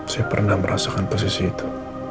saya pernah merasakan posisi itu